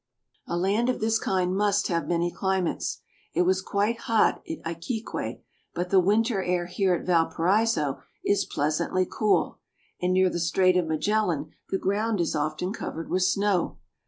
A land of this kind must have many climates. It was quite hot at Iquique, but the winter air here at Valparaiso is pleasantly cool, and near the Strait of Magellan the ground is often covered with snow.